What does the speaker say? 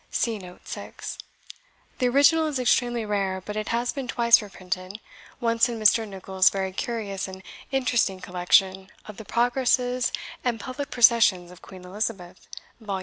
[See Note 6] The original is extremely rare, but it has been twice reprinted; once in Mr. Nichols's very curious and interesting collection of the Progresses and Public Processions of Queen Elizabeth, vol.